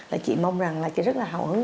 là chị mong rằng là chị rất là hào hứng